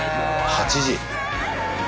８時。